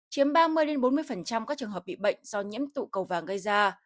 chiếm ba mươi bốn mươi các trường hợp bị bệnh do nhiễm tụ cầu vàng gây ra